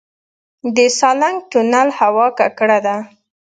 د سالنګ تونل هوا ککړه ده